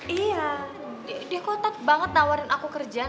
iya dia kotak banget nawarin aku kerjaan